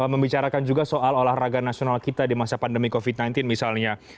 membicarakan juga soal olahraga nasional kita di masa pandemi covid sembilan belas misalnya